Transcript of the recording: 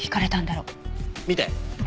見て。